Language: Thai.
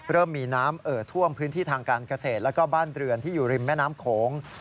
เริ่มมีน้ำเอ่อท่วมพื้นที่ทางการเกษตรแล้วก็บ้านเรือนที่อยู่ริมแม่น้ำโขง